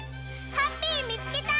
ハッピーみつけた！